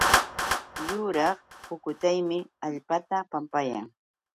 Yuraq pukutaymi allpata pampayan